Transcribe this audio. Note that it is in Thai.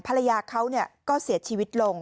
ภรรยาเขาก็เสียชีวิตลง